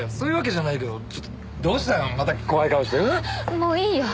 もういいよ。